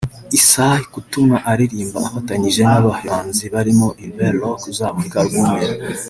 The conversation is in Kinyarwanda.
Isaiah Katumwa araririmba afatanyije n’abahanzi barimo Herbert Rock uzamurika album ye